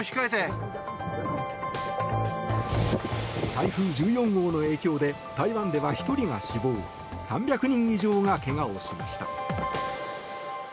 台風１４号の影響で台湾では１人が死亡３００人以上が怪我をしました。